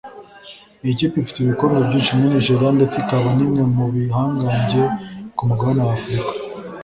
Iyi kipe ifite ibikombe byinshi muri Nigeria ndetse ikaba n’imwe mu bihangange ku mugabane wa Afurika